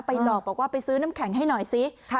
หลอกบอกว่าไปซื้อน้ำแข็งให้หน่อยสิ